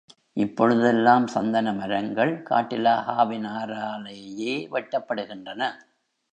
இப்பொழுதெல்லாம் சந்தன மரங்கள் காட்டிலாகாவினராலேயே வெட்டப்படுகின்றன.